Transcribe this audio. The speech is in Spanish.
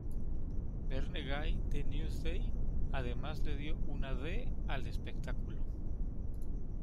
Verne Gay de "Newsday" además le dio una D al espectáculo.